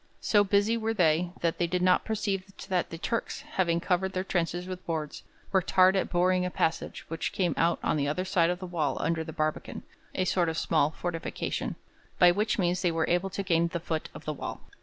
So busy were they, that they did not perceive that the Turks, having covered their trenches with boards, worked hard at boring a passage which came out on the other side of the wall under the barbican a sort of small fortification by which means they were able to gain the foot of the wall.